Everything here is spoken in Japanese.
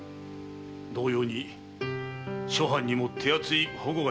同様に諸藩も手厚い保護が必要だ。